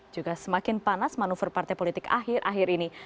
juga semakin panas manuver partai politik akhir akhir ini